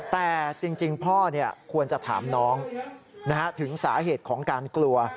แต่จริงพ่อควรจะถามน้องถึงสาเหตุของการกลัว